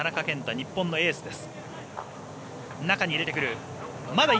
日本のエースです。